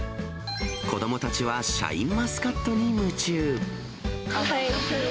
子どもたちはシャインマスカおいしい。